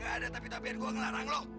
gak ada tapi tapi yang gue ngelarang lo